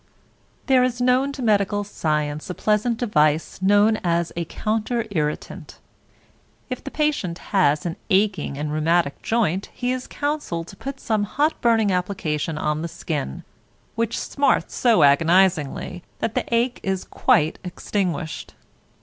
There is known to medical science a pleasant device known as a counter irritant. If the patient has an aching and rheumatic joint he is counselled to put some hot burning application on the skin, which smarts so agonizingly that the ache is quite extinguished.